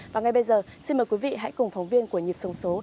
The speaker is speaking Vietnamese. và ngay bây giờ xin mời quý vị hãy cùng phóng viên của nhịp sống số